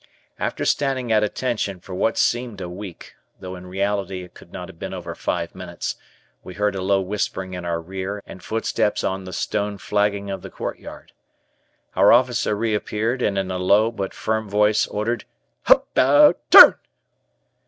After standing at "Attention" for what seemed a week, though in reality it could not have been over five minutes, we heard a low whispering in our rear and footsteps on the stone nagging of the courtyard. Our officer reappeared and in a low, but firm voice, ordered; "About Turn!"